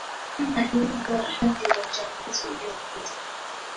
kama ilivyokuwa wakati wa uchaguzi uliopita